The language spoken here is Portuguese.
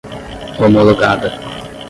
homologada